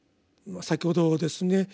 先ほどですね